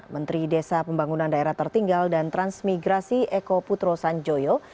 menteri desa pembangunan daerah tertinggal dan transmigrasi eko putro sanjoyo